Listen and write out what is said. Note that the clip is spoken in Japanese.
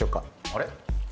あれ？